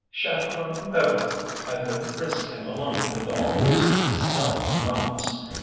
Chaperoning Beverly. I could n't risk him alone with all those designing mammas!